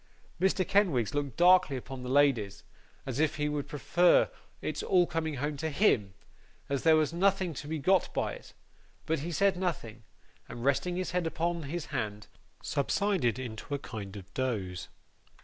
Mr. Kenwigs looked darkly upon the ladies, as if he would prefer its all coming home to HIM, as there was nothing to be got by it; but he said nothing, and resting his head upon his hand, subsided into a kind of doze.